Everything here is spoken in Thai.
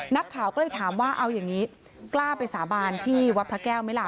นักข่าวก็เลยถามว่าเอาอย่างนี้กล้าไปสาบานที่วัดพระแก้วไหมล่ะ